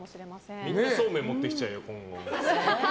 みんなそうめん持ってきちゃうよ、今後。